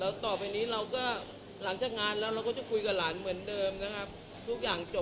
แล้วต่อไปนี้เราก็หลังจากงานแล้วเราก็จะคุยกับหลานเหมือนเดิมนะครับทุกอย่างจบ